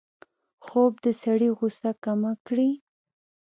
خوب د سړي غوسه کمه کړي